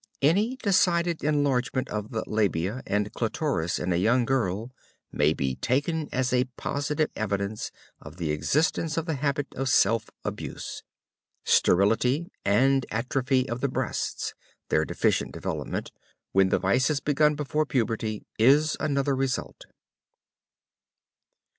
Any decided enlargement of the labia and clitoris in a young girl may be taken as a positive evidence of the existence of the habit of self abuse. Sterility, and atrophy of the breasts their deficient development when the vice is begun before puberty, is another result.